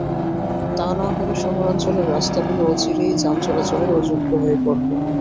তা না হলে শহরাঞ্চলের রাস্তাগুলো অচিরেই যান চলাচলের অযোগ্য হয়ে পড়বে।